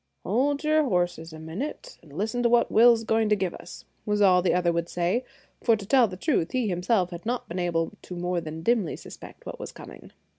"Hold your horses a minute, and listen to what Will's going to give us," was all the other would say; for, to tell the truth, he himself had not been able to more than dimly suspect what was coming.